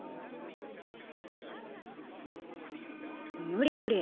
無理無理。